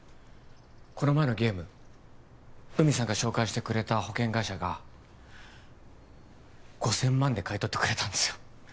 この前のゲーム海さんが紹介してくれた保険会社が５０００万で買い取ってくれたんですよ